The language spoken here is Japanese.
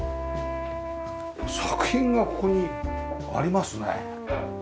作品がここにありますね。